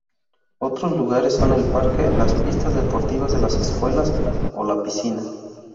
Otros lugares son el parque, las pistas deportivas de las escuelas o la piscina.